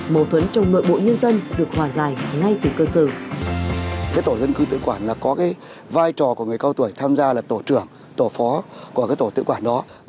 mâu thuẫn trong nội bộ nhân dân được hòa giải ngay từ cơ sở